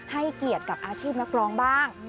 ให้เกียรติกับอาชีพนักร้องบ้าง